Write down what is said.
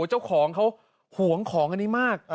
เจ้าของเขาห่วงของอันนี้มาก